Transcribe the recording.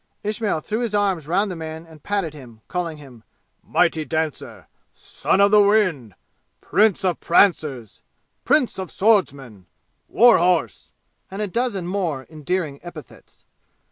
Ismail threw his arms round the man and patted him, calling him "mighty dancer," "son of the wind," "prince of prancers," "prince of swordsmen," "war horse," and a dozen more endearing epithets.